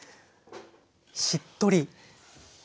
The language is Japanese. しっとり。